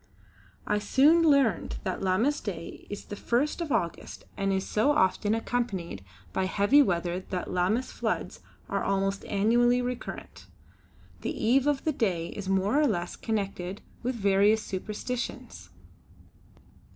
I soon learned that Lammas day is the first of August and is so often accompanied by heavy weather that Lammas floods are almost annually recurrent. The eve of the day is more or less connected with various superstitions.